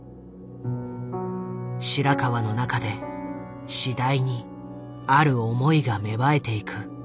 白川の中で次第にある思いが芽生えていく。